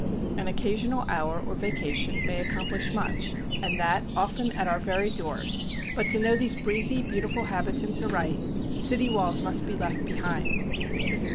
An occasional hour or vacation may accomplish much, and that often at our very doors; but to know these breezy, beautiful habitants aright city walls must be left behind.